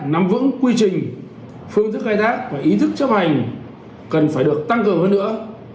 nắm vững quy trình phương thức khai thác và ý thức chấp hành cần phải được tăng cường hơn nữa